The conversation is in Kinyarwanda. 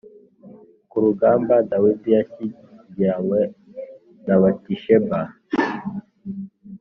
Ku rugamba dawidi yashyingiranywe na batisheba